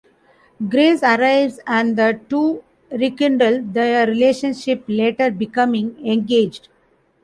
Grace arrives and the two rekindle their relationship, later becoming engaged.